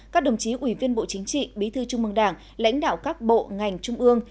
các đồng chí ủy viên bộ chính trị bí thư trung mương đảng lãnh đạo các bộ ngành trung ương